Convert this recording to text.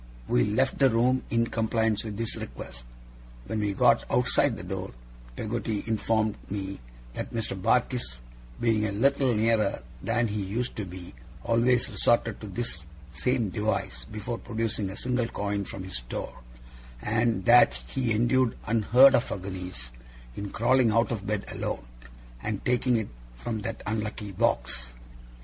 We left the room, in compliance with this request. When we got outside the door, Peggotty informed me that Mr. Barkis, being now 'a little nearer' than he used to be, always resorted to this same device before producing a single coin from his store; and that he endured unheard of agonies in crawling out of bed alone, and taking it from that unlucky box.